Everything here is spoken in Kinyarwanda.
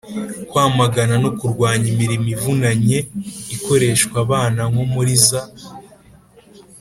kwamagana no kurwanya imirimo ivunanye ikoreshwa abana nko muri za